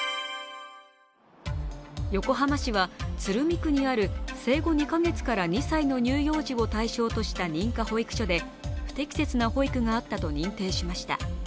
横浜市は鶴見区にある生後２か月から２歳の乳幼児を対象とした認可保育所で、不適切な保育があったと認定しました。